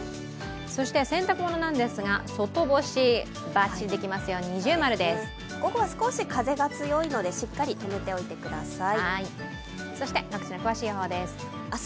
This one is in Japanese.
そして洗濯物なんですが、外干し、ばっちりできますよ、午後は少し風が強いのでしっかりとめておいてください。